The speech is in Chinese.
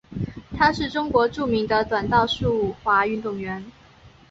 她是中国著名的短道速滑运动员。